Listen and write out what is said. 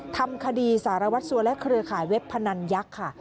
ทำคดีสารวัตรสัวและเครือข่ายเว็บพนันยักษ์ค่ะ